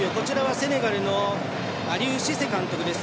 セネガルのアリウ・シセ監督です。